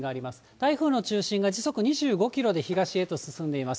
台風の中心が時速２５キロで東へと進んでいます。